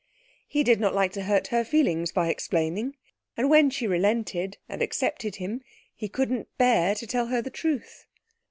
He did not like to hurt her feelings by explaining, and when she relented and accepted him he couldn't bear to tell her the truth.